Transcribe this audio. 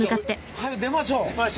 はよ出ましょう。